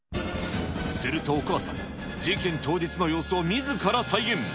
するとお母さん、事件当日の様子をみずから再現。